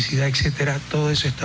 kita menanggung semua itu